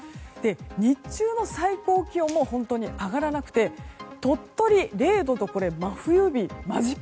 日中の最高気温も本当に上がらなくて鳥取０度、真冬日間近。